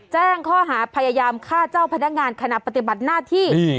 แจ้งข้อหาพยายามฆ่าเจ้าพนักงานขณะปฏิบัติหน้าที่